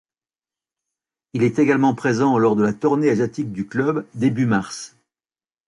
Il est également présent lors de la tournée asiatique du club début mars.